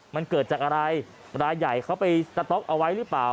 มันเกิดจากอะไรรายใหญ่เขาไปสต๊อกเอาไว้หรือเปล่า